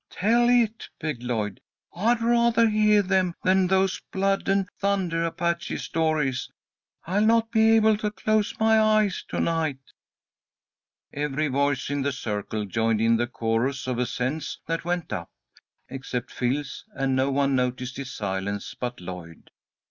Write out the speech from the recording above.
"Tell it," begged Lloyd. "I'd rathah heah them than those blood and thundah Apache stories. I'll not be able to close my eyes to night." Every voice in the circle joined in the chorus of assents that went up, except Phil's, and no one noticed his silence but Lloyd.